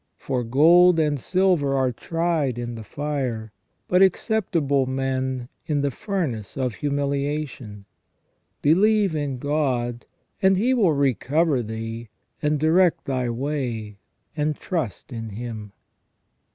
For gold and silver are tried in the fire, but acceptable men in the furnace of humiliation. Believe in God, AS UNVEILED IN THE BOOK OF JOB. 151 and He will recover thee : and direct thy way, and trust in Him."